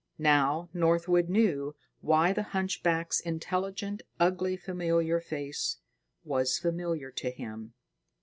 Now Northwood knew why the hunchback's intelligent, ugly face was familiar to him.